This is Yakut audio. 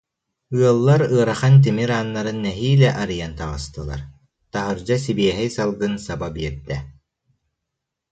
Ыаллар ыарахан тимир ааннарын нэһиилэ арыйан таҕыстылар, таһырдьа сибиэһэй салгын саба биэрдэ